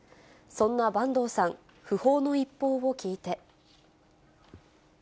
そんな坂東さん、訃報の一報を聞いて。